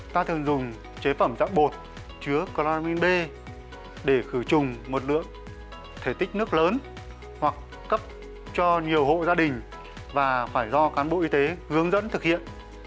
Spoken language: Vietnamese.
ta thường dùng chế phẩm dạng bột chứa chlorin b để khử trùng một lượng thể tích nước lớn hoặc cấp cho nhiều hộ gia đình và phải do cán bộ y tế hướng dẫn thực hiện